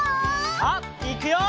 さあいくよ！